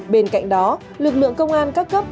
bên cạnh đó lực lượng công an các cấp